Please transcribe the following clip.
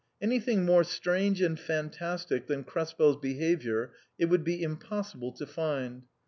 Anything more strange and fantastic than KrespeFs behaviour it would be impossi ble to find.